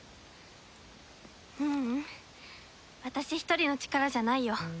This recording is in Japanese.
ううん私一人の力じゃないよ。